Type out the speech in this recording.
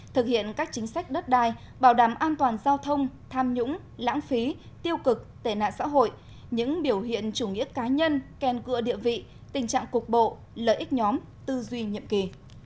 thực hiện các chính sách đất đai bảo đảm an toàn giao thông tham nhũng lãng phí tiêu cực tệ nạn xã hội những biểu hiện chủ nghĩa cá nhân kèn cựa địa vị tình trạng cục bộ lợi ích nhóm tư duy nhiệm kỳ